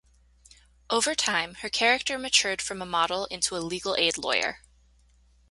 Over time, her character matured from a model into a legal aid lawyer.